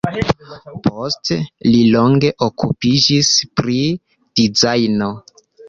Poste li longe okupiĝis pri dizajno.